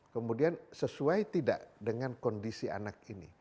kemudian sesuai tidak dengan kondisi anak ini